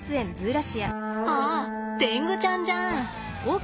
あテングちゃんじゃん。